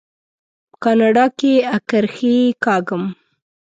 په کاناډا کې اکرښې کاږم.